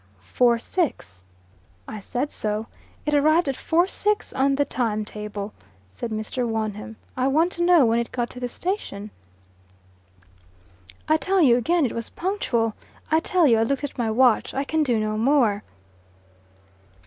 "Four six." "I said so." "It arrived at four six on the time table," said Mr. Wonham. "I want to know when it got to the station?" "I tell you again it was punctual. I tell you I looked at my watch. I can do no more."